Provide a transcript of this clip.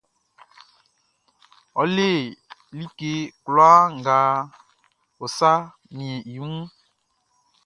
Ɔ le like kwlaa nga ɔ sa miɛn i wunʼn.